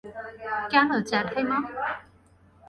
কেন, জ্যাঠাইমা?